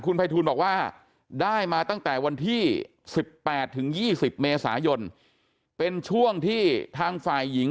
ภัยทูลบอกว่าได้มาตั้งแต่วันที่๑๘ถึง๒๐เมษายนเป็นช่วงที่ทางฝ่ายหญิง